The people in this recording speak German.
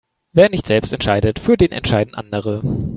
Wer nicht selbst entscheidet, für den entscheiden andere.